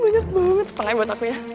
banyak banget buat aku ya